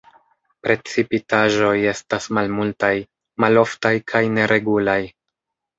Precipitaĵoj estas malmultaj, maloftaj kaj neregulaj.